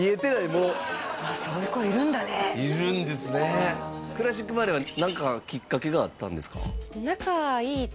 もうそういう子いるんだねいるんですねクラシックバレエは何かきっかけがあったんですか？